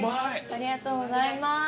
ありがとうございます。